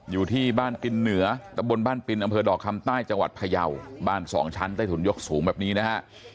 อยู่ที่บ้านปินเหนือตะบนบ้านปินอำเภอดอกคำใต้จังหวัดพยาวบ้านสองชั้นใต้ถุนยกสูงแบบนี้นะฮะ